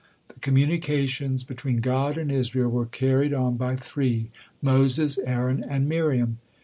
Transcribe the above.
The communications between God and Israel were carried on by three, Moses, Aaron, and Miriam.